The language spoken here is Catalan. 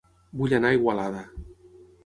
Vull anar a Igualada